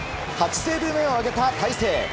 ８セーブ目を挙げた大勢。